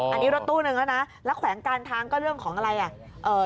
อันนี้รถตู้นึงแล้วนะแล้วแขวงการทางก็เรื่องของอะไรอ่ะเอ่อ